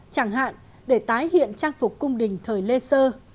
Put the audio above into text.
chẳng hạn để tái hiện trang phục cung đình thời lê sơ